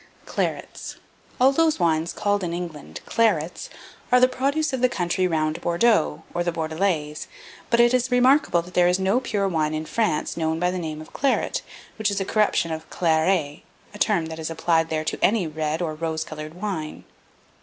CLARETS. All those wines called in England clarets are the produce of the country round Bordeaux, or the Bordelais; but it is remarkable that there is no pure wine in France known by the name of claret, which is a corruption of clairet, a term that is applied there to any red or rose coloured wine.